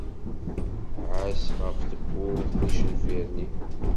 Ɛass ɣef tewwurt n yicenfiren-iw.